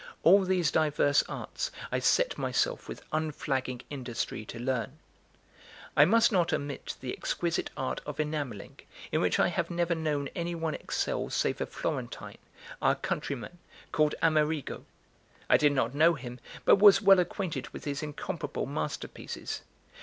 All these divers arts I set myself with unflagging industry to learn. I must not omit the exquisite art of enamelling, in which I have never known any one excel save a Florentine, our countryman, called Amerigo. I did not know him, but was well acquainted with his incomparable masterpieces.